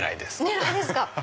狙いですか！